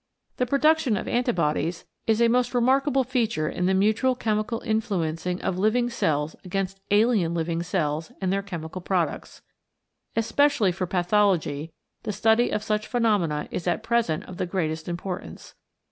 The production of anti bodies is a most remark able feature in the mutual chemical influencing of living cells against alien living cells and their chemical products. Especially for pathology, the study of such phenomena is at present of the greatest importance.